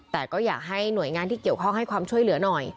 แต่ก็อยากให้หน่วยงานที่เกี่ยวข้องให้ความช่วยเหลือหน่อย